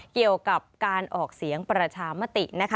เกี่ยวกับการออกเสียงประชามตินะคะ